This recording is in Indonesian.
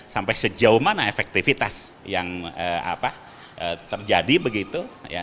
sampai sejauh mana efektivitas yang apa terjadi begitu ya